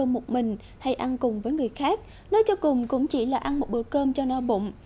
một mình hay ăn cùng với người khác nói cho cùng cũng chỉ là ăn một bữa cơm cho no bụng